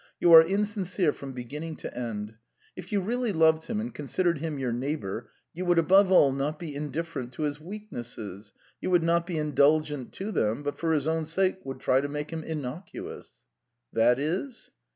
You are insincere from beginning to end. If you really loved him and considered him your neighbour, you would above all not be indifferent to his weaknesses, you would not be indulgent to them, but for his own sake would try to make him innocuous." "That is?"